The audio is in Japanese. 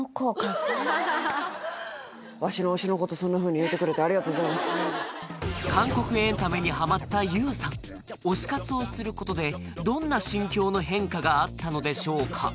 わしの推しのことそんなふうに言うてくれてありがとうございます韓国エンタメにハマったＹＯＵさん推し活をすることでどんな心境の変化があったのでしょうか？